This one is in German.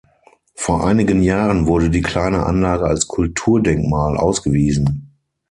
Vor einigen Jahren wurde die kleine Anlage als Kulturdenkmal ausgewiesen.